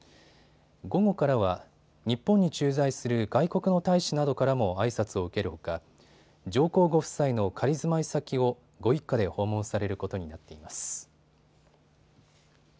午後からは日本に駐在する外国の大使などからもあいさつを受けるほか上皇ご夫妻の仮住まい先をご一家で訪問されることになっています。